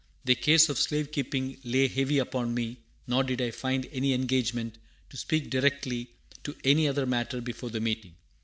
The case of slave keeping lay heavy upon me; nor did I find any engagement, to speak directly to any other matter before the meeting."